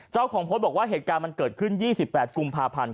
เจ้าของโพสต์บอกว่าเหตุการณ์มันเกิดขึ้น๒๘กุมภาพันธ์